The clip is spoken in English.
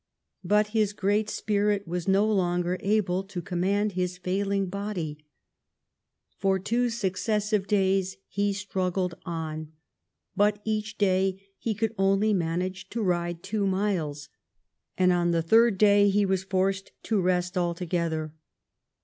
But his great spirit was no longer able to control his failing body. For two succes sive days he struggled on ; but each day he could only manage to ride two miles, and on the third day he was forced to rest altogether.